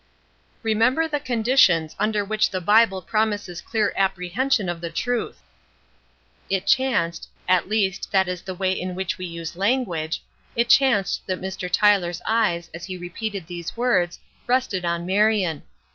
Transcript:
"Remember the conditions under which the Bible promise clear apprehension of the truth." It chanced at least that is the way in which we use language it chanced that Mr. Tyler's eyes as he repeated these words rested on Marion.